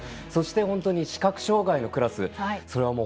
そして視覚障がいのクラス。